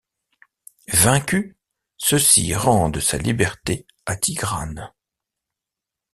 Vaincus, ceux-ci rendent sa liberté à Tigrane.